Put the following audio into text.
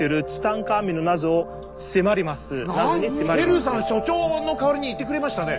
ヘルーさん所長の代わりに言ってくれましたね。